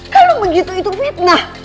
kalau begitu itu fitnah